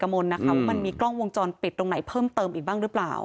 ว่ามันมีกล้องวงจรปิดตรงไหนเพิ่มเติมอีกบ้างหรือเปล่า